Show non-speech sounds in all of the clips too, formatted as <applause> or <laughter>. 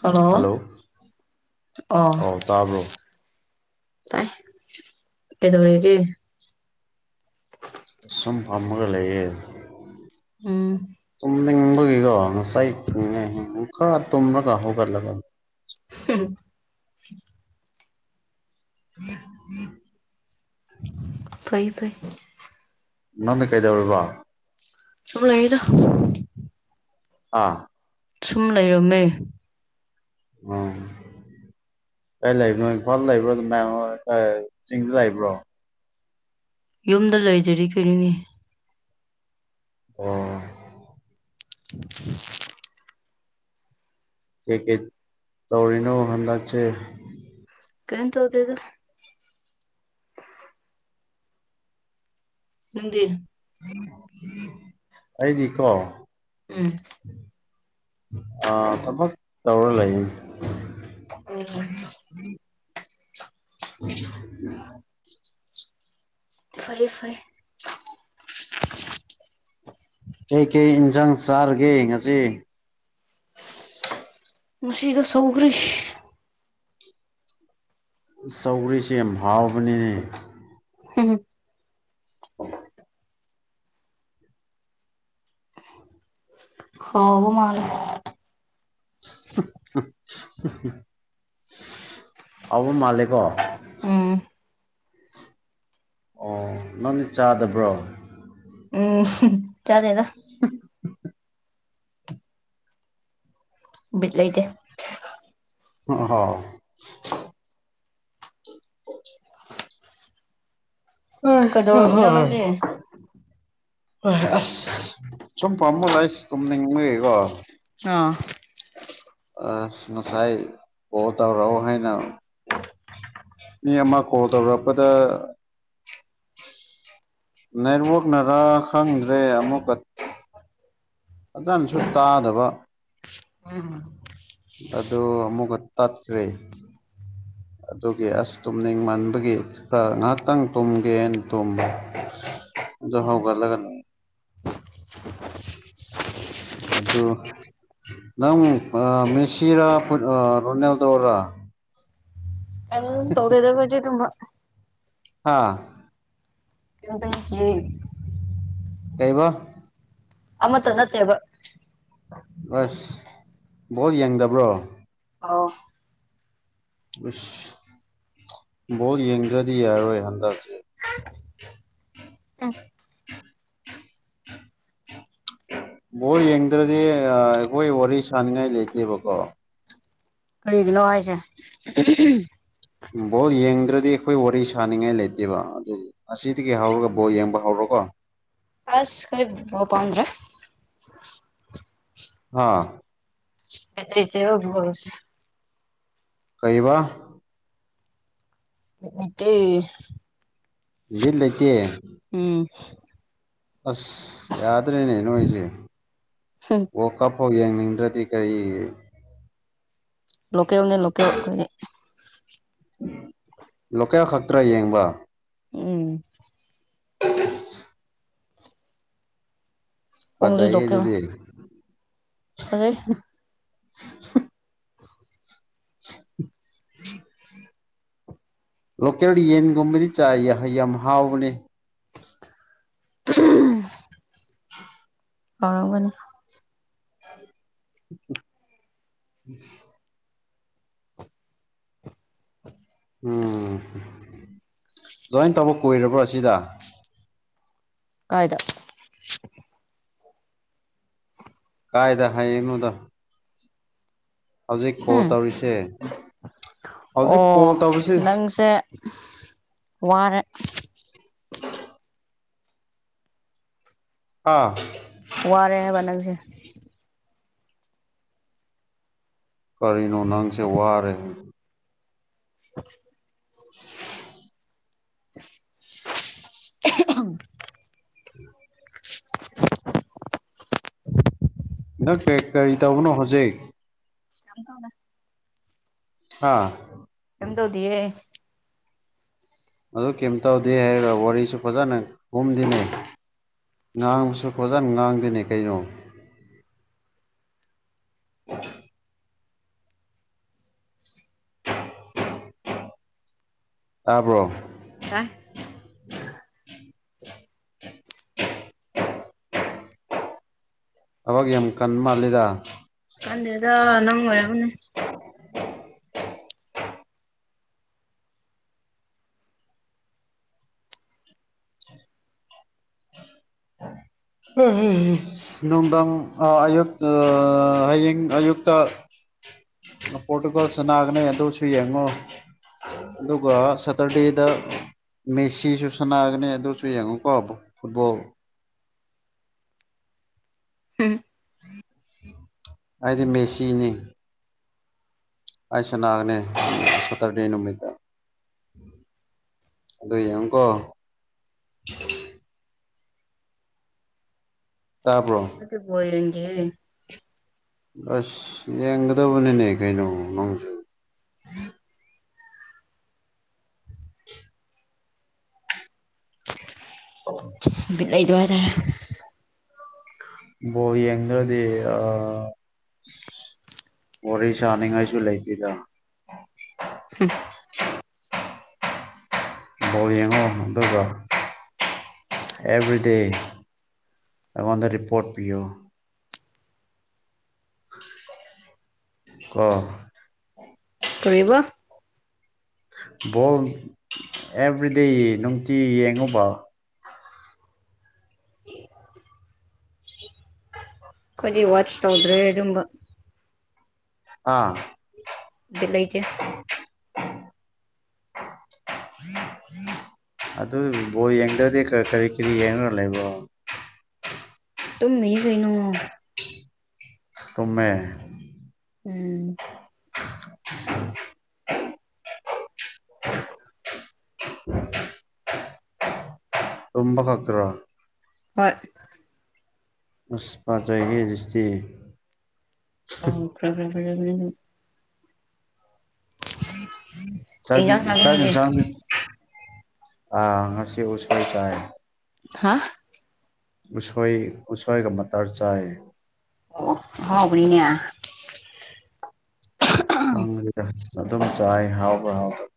hello hello ꯑ ꯑꯧ ꯇꯥꯕ꯭ꯔꯣ ꯇꯥꯏ ꯀꯗꯧꯔꯒ ꯁꯨꯝ ꯐꯃꯒꯦ ꯎꯝ ꯅꯤꯡꯕꯒꯤꯀꯣ ꯉꯁꯥꯏ ꯈꯔ ꯇꯨꯝꯔꯒ ꯍꯧꯒꯠꯂꯒ <inaudible> ꯎꯝ ꯎꯝ ꯐꯩ ꯐꯩ ꯅꯗ ꯀꯩꯗ ꯑꯣꯏꯔꯕꯔꯤꯕ ꯆ ꯂꯗ ꯑꯥ ꯁꯨꯝ ꯂꯩꯔꯝꯃꯦ ꯑ ꯀꯩ ꯂꯩꯕꯅꯣ ꯏꯝꯐꯥꯜꯗ ꯂꯩꯕ꯭ꯔꯣ ꯆꯤꯡꯗ ꯂꯩꯕ꯭ꯔꯣ ꯌꯨꯝꯗ ꯂꯩꯖꯔꯤ ꯀꯔꯤꯣꯅꯤ ꯑꯣ <unintelligible> ꯀ ꯀꯩ ꯇꯧꯔꯤꯅꯣ ꯍꯗꯒꯆꯦ ꯀꯩꯅ ꯇꯧꯗꯦ ꯑꯗꯨ ꯍꯗꯤ ꯑꯩꯗꯤ ꯀꯣ ꯎꯝ ꯑ ꯊꯕꯛ ꯇꯧꯔ ꯂꯩꯌꯦꯅꯤ ꯎꯝ <unintelligible> ꯐꯔꯦ ꯐꯔꯦ ꯀꯩ ꯀꯩ ꯏꯟꯁꯥꯡ ꯆꯥꯔꯒꯦ ꯉꯁꯤ ꯃꯁꯤꯗ ꯆꯧꯒ꯭ꯔꯤꯁ ꯁꯧꯔꯤꯁꯤ ꯍꯥꯎꯕꯅꯤꯅꯦ ꯍꯝ ꯑꯣ ꯍꯣꯕ ꯃꯥꯔ <inaudible> ꯑꯕꯨ ꯃꯥꯂꯦꯀꯣ ꯎꯝ ꯑꯣ ꯅꯪꯗꯤ ꯆꯥꯗꯕ꯭ꯔꯣ ꯌꯥꯗꯗ ꯂꯩꯗꯦ ꯍ ꯑꯣ ꯑ ꯍ ꯀꯩꯗꯧꯔꯝꯃꯤꯅꯣ ꯅꯪꯗꯤ ꯍ ꯑꯁ ꯁꯨꯝ ꯄꯥꯃ ꯂꯥꯛꯏꯁ ꯇꯨꯝꯅꯤꯡꯉꯨꯀꯣ ꯑꯥ ꯑ ꯉꯁꯥꯏ ꯄꯣ ꯇꯧꯔꯛꯎ ꯍꯥꯏꯅ ꯃꯤ ꯑꯃ ꯀꯣꯜ ꯇꯧꯔꯛꯄꯗ ꯅꯦꯠꯋꯛꯅꯔꯥ ꯈꯪꯗ꯭ꯔꯦ ꯑꯃꯨꯛꯀ ꯍꯖꯅꯁꯨ ꯇꯥꯗꯕ ꯑꯗꯨ ꯑꯃꯨꯛꯀ ꯇꯠꯈ꯭ꯔꯦ <inaudible> ꯑꯗꯨꯒꯤ ꯑꯁ ꯇꯨꯝꯅꯤꯡꯃꯟꯕꯒꯤ ꯈꯔ ꯉꯥꯏꯍꯥꯛꯇꯪ ꯇꯨꯝꯒꯦꯅ ꯇꯨꯝꯕ ꯑꯣ ꯍꯥꯎ ꯎꯒꯔꯂꯒꯅꯥ <inaudible> ꯑꯗꯨ ꯅꯪ ꯃꯦꯁꯤꯔꯥ ꯔꯣꯅꯦꯜꯗꯣꯔ ꯀꯝ ꯇꯧꯗꯦꯗ ꯑꯗꯨꯒꯨꯝꯕ ꯑꯥ <unintelligible> ꯀꯩꯕ ꯑꯃꯇ ꯅꯠꯇꯦꯕ ꯑꯁ ꯕꯣꯜ ꯌꯦꯡꯗꯕ꯭ꯔꯣ ꯑꯥꯎ ꯁ ꯕꯣꯜ ꯌꯦꯡꯗ꯭ꯔꯗꯤ ꯌꯥꯔꯣꯏ ꯍꯟꯗꯛ ꯑ ꯕꯣꯜ ꯌꯦꯡꯗ꯭ꯔꯗꯤ ꯑꯩꯈꯣꯏ ꯋꯥꯔꯤ ꯁꯅꯤꯡꯉꯥꯏ ꯂꯩꯇꯦꯕꯀꯣ ꯀꯔꯤꯒꯤꯅꯣ ꯍꯥꯏꯖꯦ ꯕꯣꯜ ꯌꯦꯡꯗ꯭ꯔꯗꯤ ꯑꯩꯈꯣꯏ ꯋꯥꯔꯤ ꯁꯥꯅꯤꯡꯉꯥꯏ ꯂꯩꯇꯦꯕ ꯑꯗꯨ ꯑꯁꯤꯗꯒꯤ ꯍꯧꯔꯒ ꯕꯣꯜ ꯌꯦꯡꯕ ꯍꯧꯔꯛ ꯀꯣ ꯑꯁ ꯀꯣꯏ ꯕꯣꯜ ꯄꯥꯝꯗ꯭ꯔꯦ ꯑꯥ <unintelligible> ꯀꯩꯕ ꯕꯤꯠ ꯂꯩꯇꯦ ꯚꯤꯠ ꯂꯩꯇꯦ ꯎꯝ ꯑꯁ ꯌꯥꯗ꯭ꯔꯦꯅꯦ ꯅꯣꯏꯁꯦ ꯑꯣ ꯀꯞ ꯍꯣ ꯌꯦꯡꯅꯤꯡꯗ꯭ꯔꯗꯤ ꯀꯔꯤ ꯂꯣꯀꯦꯜꯅꯦ ꯂꯣꯀꯦꯜ ꯈꯣꯢꯗꯤ ꯂꯣꯀꯦꯜ ꯈꯛꯇ꯭ꯔꯥ ꯌꯦꯡꯕ ꯎꯝ <inaudible> ꯑꯣꯡꯂꯤ ꯐꯖꯌꯦ ꯂꯣꯀꯦꯜ ꯑꯗꯨꯗꯤ ꯐꯖꯩ <inaudible> <inaudible> ꯂꯣꯀꯦꯜ ꯌꯦꯟꯒꯨꯝꯕꯗꯤ ꯆꯥꯏ ꯌꯥꯝ ꯍꯥꯎꯕꯅꯤ ꯑꯍꯨꯡ <inaudible> ꯑꯥꯎꯔꯝꯒꯅꯤ ꯎꯝ <inaudible> ꯎꯝ ꯖꯣꯏꯟ ꯇꯧꯕ ꯀꯨꯏꯔꯕ꯭ꯔꯣ ꯑꯁꯤꯗ ꯀꯥꯏꯗ ꯀꯥꯏꯗ ꯍꯥꯏꯌꯦꯅꯨꯗ ꯍꯧꯖꯤꯛ ꯀꯣꯜ ꯎꯝ ꯇꯧꯔꯤꯁꯦ ꯍꯧꯖꯤꯛ ꯀꯣꯜ ꯑꯣ ꯇꯧꯔꯤꯁꯦ ꯅꯪꯁꯦ ꯋꯥꯔꯦ ꯑꯥ ꯋꯥꯔꯦ ꯍꯥꯏꯕ ꯅꯪꯁꯦ ꯀꯔꯤꯅ ꯅꯪꯁ ꯋꯥꯔ <unintelligible> <unintelligible> ꯎ ꯎꯝ <unintelligible> ꯪ ꯀꯔꯤ ꯇꯧꯕꯅꯣ ꯍꯧꯖꯤꯛ ꯆ ꯇꯧꯅ ꯑꯥ ꯍ ꯇꯧꯗꯤꯑꯦ ꯑꯗꯨ ꯀꯩꯝꯇꯧꯗꯦ ꯍꯥꯏꯔꯒ ꯋꯥꯔꯤꯁꯨ ꯐꯖꯅ ꯀꯨꯝꯗꯤꯅꯩ ꯉꯥꯡꯕꯁꯨ ꯀꯣꯖꯅ ꯉꯥꯡꯗꯅꯦ ꯀꯩꯅꯣ ꯑ ꯑꯥꯕ꯭ꯔꯣ ꯇ <unintelligible> ꯑꯒ ꯌꯦ ꯌꯥꯝ ꯀꯟ ꯃꯥꯜꯂꯗ ꯀꯟꯗꯦꯗ ꯅꯪ ꯋꯥꯔ ꯃꯅꯦ ꯅꯨꯡꯊꯪ ꯑꯌꯨ ꯍꯌꯦꯡ ꯑꯌꯨꯛꯇ ꯄꯣꯇꯨꯒꯣꯜꯁꯅꯥꯒꯅ ꯑꯗꯨꯧꯁꯨꯨꯏ ꯌꯦꯡꯉꯣ ꯑꯗꯨꯒ ꯁꯇꯔꯗꯦꯗ ꯃꯦꯁꯤꯁꯨ ꯁꯅꯥꯒꯅꯤ ꯑꯗꯨꯁꯨ ꯌꯦꯡꯉꯨꯀꯣꯕ ꯐꯨꯠꯕꯣꯜ ꯍꯝ ꯑꯩꯗꯤ ꯃꯦꯁꯤꯅꯤ ꯑꯁꯥꯅꯥꯒꯅꯦ ꯁꯇꯔ ꯗꯦ ꯅꯨ ꯃꯗꯥ ꯑꯗꯨꯗ ꯌꯦꯡꯀꯣ ꯇꯥꯕ꯭ꯔꯣ ꯑꯗꯤ ꯒꯦ ꯑꯁ ꯌꯦꯡꯒꯗꯧꯕꯅꯤꯅꯦ ꯀꯩꯅꯣ ꯅꯪ ꯑꯣ ꯂꯩꯗꯨ ꯋꯥ ꯇꯔꯦ ꯣ ꯌꯦꯗꯤ ꯑ ꯋꯥꯔꯤ ꯁꯥꯅꯤꯡꯉꯥꯏꯁꯨ ꯂꯩꯇꯦꯗ ꯕꯥꯎꯜ ꯌꯦꯡꯉꯣ ꯑꯗꯨꯒ ꯑꯦꯕꯔꯤ ꯗꯦꯣꯟꯗ ꯔꯤꯄꯣꯠ ꯄꯤꯌꯣ ꯑ ꯀ ꯕꯣꯜ ꯑꯦꯕ꯭ꯔꯤꯗꯦ ꯅꯨꯡꯇꯤ ꯌꯦꯡꯉꯨꯕ ꯍ ꯑꯩꯈꯗꯤ ꯋꯥꯁ ꯇꯧꯗ꯭ꯔꯦ ꯑꯗꯨꯝꯕ ꯑꯥ ꯕꯂꯩꯖꯦ ꯑꯗꯨ ꯕꯣ ꯌꯦꯡꯗ꯭ꯔꯗꯤ ꯀꯔꯤ ꯀꯔꯤ ꯌꯦꯡꯉꯔ ꯂꯩꯦꯕꯣ ꯇꯨꯝꯃꯤꯅꯤ ꯀꯩꯅꯩꯅꯣ ꯇꯨꯝꯃꯦ ꯎꯝ ꯇꯝꯕ ꯀꯥꯛꯇꯔꯣ ꯍꯣꯏ ꯎꯁꯄꯥꯥ ꯆꯥꯏꯦ ꯁꯇꯗꯤ ꯑ ꯈ꯭ꯔ ꯈ꯭ꯔ ꯐꯖꯕ ꯆ ꯀꯩ ꯏꯟꯖꯥꯡ ꯆꯥꯒꯦ ꯁ ꯅꯪꯗꯤ ꯁ ꯑ ꯉꯁꯤ ꯎꯁꯥꯏ ꯆꯥꯏ ꯍꯥ ꯎꯁꯣꯏ ꯀ ꯃꯇꯔ ꯆꯥꯏ ꯑꯣ ꯑꯕꯅꯤꯅꯦ ꯑꯗꯨꯝ ꯆꯥꯏ ꯍꯥꯎꯕ ꯍꯥꯎꯗ ꯑꯣ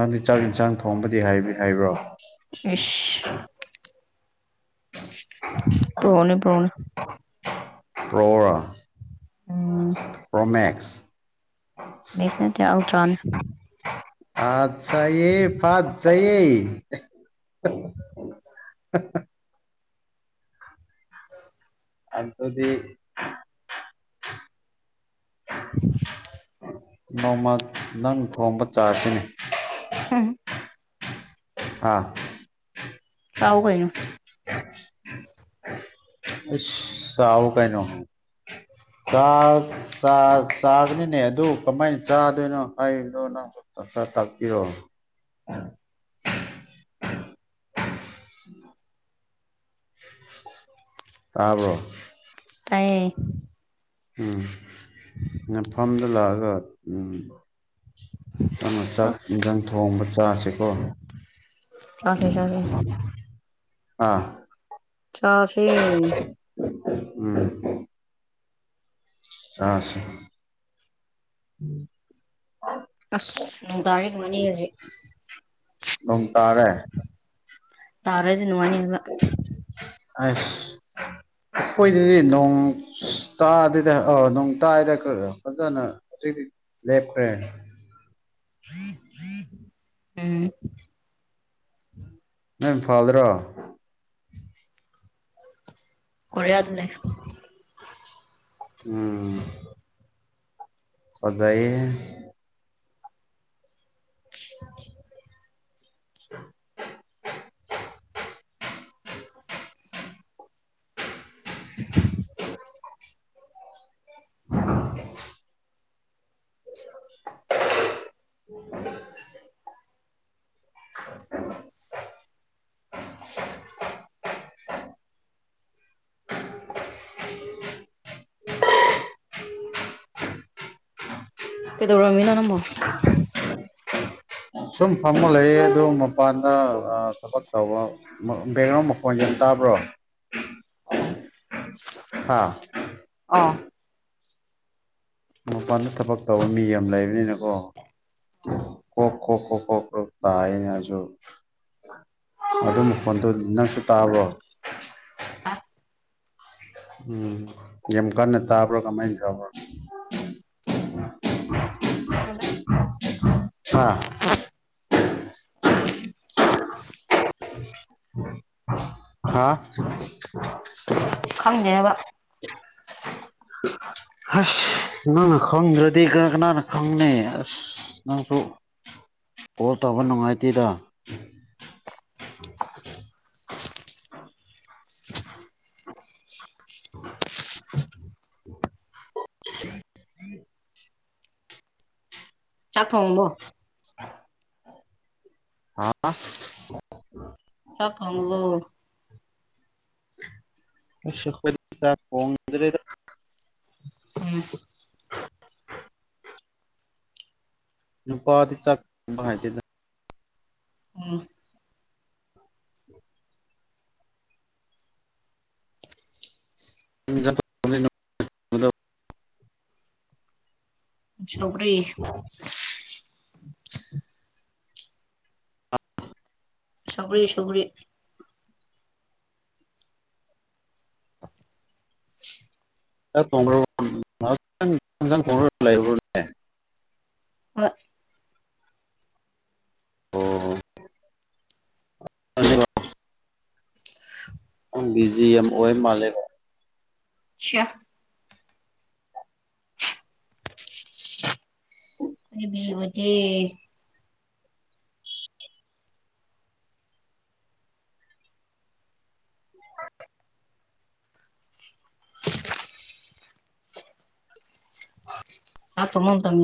ꯅꯪꯗꯤ ꯆꯥꯛ ꯏꯟꯁꯥꯡ ꯊꯣꯡꯕꯗꯤ ꯍꯥꯏꯕ꯭ꯔꯣ ꯏꯁ ꯄ꯭ꯔꯣꯅꯦ ꯄ꯭ꯔꯣꯅꯦ ꯄꯧꯔ ꯎꯝ ꯄ꯭ꯔꯣꯃꯦꯛ ꯃꯦꯛꯁ ꯅꯠꯇꯦ ꯑꯜꯇ꯭ꯔꯅꯦ ꯑꯠꯆꯥ ꯌꯦ ꯐꯠ ꯆꯌꯦ <unintelligible> <unintelligible> ꯑꯗꯨꯗꯤ <unintelligible> ꯅꯣꯃ ꯅꯪ ꯊꯣꯡꯕ ꯆꯥꯁꯤ ꯎꯝ ꯑꯥ ꯂꯎ ꯀꯣꯏꯅ ꯑ ꯁꯥꯎ ꯀꯥꯏ ꯅ ꯆꯥꯒꯅꯤꯅꯦ ꯑꯗꯨ ꯀꯃꯥꯏꯅ ꯆꯥꯗꯣꯏꯅꯣ ꯍꯥꯏꯕꯗꯣꯅꯣ ꯇꯥꯛꯄꯤꯔꯣ <unintelligible> ꯇꯥꯕ꯭ꯔꯣ ꯇꯌꯦ ꯎꯝ ꯃꯐꯝꯗ ꯂꯥꯛꯑꯒ ꯎꯝ ꯅꯪꯅ ꯆꯥꯛ ꯏꯟꯖꯥꯡ ꯊꯣꯡꯕ ꯆꯥꯁꯦ ꯍ ꯍ ꯎ ꯆꯥꯁꯦ ꯆꯥꯁꯦ ꯑꯥ <inaudible> ꯆꯥꯁꯦ ꯎꯝ ꯑꯁ ꯑꯁ ꯇꯔꯦꯛ ꯃꯅꯤꯒꯖꯤ <inaudible> ꯅꯣꯡ ꯇꯥꯔꯦ ꯇꯥꯔꯥꯖ ꯅꯨꯡꯉꯅꯤ ꯍꯥꯏꯕ ꯑꯁ ꯈꯣꯏꯅꯤꯅꯦ ꯅꯣꯡ ꯇꯥꯗꯗ ꯑ ꯅꯨꯡ ꯇꯥꯏꯗ ꯐꯖꯅ ꯍꯧꯗꯤ ꯂꯦꯐ ꯍꯦꯟ ꯎꯝ ꯅ ꯏꯝ ꯐꯥꯗ꯭ꯔꯣ ꯀꯔꯌꯥꯗꯅꯦꯦ ꯎꯝ ꯄꯖꯏ <inaudible> <inaudible> <inaudible> <inaudible> ꯑꯁꯥ <inaudible> <inaudible> ꯀꯗꯧꯔ ꯃꯤꯅꯣ ꯅꯕꯣ ꯁꯨꯝ ꯐꯃ ꯂꯩꯌꯦ ꯑꯗꯨ ꯃꯄꯥꯟꯗ ꯊꯕꯛ ꯇꯧꯕ ꯕꯦꯛꯒ꯭ꯔꯥꯎꯟ ꯃꯈꯣꯟ ꯌꯦꯟ ꯇꯥꯕ꯭ꯔꯣ ꯍꯥꯥ ꯑ ꯃꯄꯥꯟꯗ ꯊꯕꯛ ꯇꯧꯕ ꯃꯤ ꯌꯥꯝ ꯂꯩꯕꯅꯤꯅꯀꯣ ꯀꯣꯣꯣ ꯀꯣ ꯀ꯭ꯔꯣ ꯇ ꯍꯥꯏꯅꯦꯁꯨ ꯑꯗꯨ ꯐꯣꯟꯗꯨ ꯅꯪꯁꯨ ꯇꯥꯕꯣ ꯑ ꯎꯝ ꯌꯥꯝꯦꯝ ꯀ ꯇꯥꯕꯔꯣ ꯀꯃꯥꯏ ꯆꯕꯔ <inaudible> ꯑꯥ ꯑ ꯍꯥꯥ ꯈꯪꯗꯦꯕ ꯑꯁ ꯅꯪꯅ ꯈꯪꯗ꯭ꯔꯗꯤ ꯀꯅꯥ ꯀꯅꯥꯅ ꯈꯪꯅꯤ ꯑꯁ ꯅꯪꯁꯨ ꯀꯣꯜ ꯇꯧꯕ ꯅꯨꯡꯉꯥꯏꯇꯦꯗ ꯆꯈꯕꯣ ꯍꯥ ꯑꯁ ꯀ ꯀꯕ ꯄ ꯆ ꯐꯗ꯭ꯔꯦ ꯎꯝ ꯅꯨꯄꯥꯗꯤ ꯆꯗ ꯎꯝ <inaudible> ꯄꯔꯤ ꯁꯒꯔꯤ ꯁꯒꯔꯤ ꯣꯡ꯭ꯔꯣꯡ꯭ꯔ ꯑ ꯑꯣ ꯕꯤ ꯖꯤ ꯑꯦꯝ ꯑꯣꯏ ꯃꯥꯂꯦꯝ ꯁꯦ <inaudible> ꯑꯗꯤ <inaudible> ꯍꯥ ꯄꯃꯝ ꯇꯝꯅ